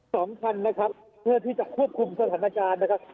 สองคันนะครับเพื่อที่จะควบคุมสถานการณ์นะครับ